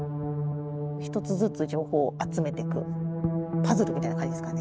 一つずつ情報を集めてくパズルみたいな感じっすかね。